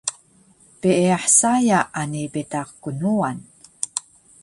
peeyah saya ani betaq knuwan